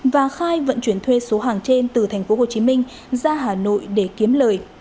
và khai vận chuyển thuê số hàng trên từ tp hcm ra hà nội để kiếm lời